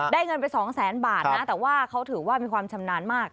เงินไปสองแสนบาทนะแต่ว่าเขาถือว่ามีความชำนาญมาก